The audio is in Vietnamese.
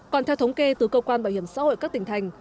còn theo thống kê từ cơ quan bảo hiểm xã hội các tỉnh thành